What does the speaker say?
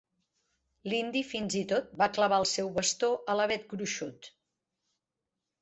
L'indi fins i tot va clavar el seu bastó a l'avet gruixut.